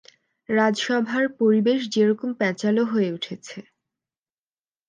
রাজসভার পরিবেশ যেরকম প্যাঁচালো হয়ে উঠেছে।